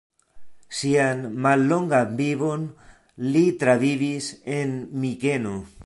Sian mallongan vivon li travivis en Mikeno.